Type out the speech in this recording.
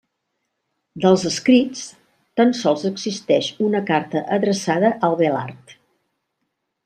Dels escrits, tan sols existeix una carta adreçada a Abelard.